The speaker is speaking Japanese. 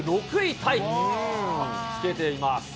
タイにつけています。